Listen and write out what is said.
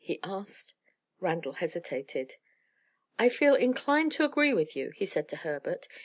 he asked. Randal hesitated. "I feel inclined to agree with you," he said to Herbert.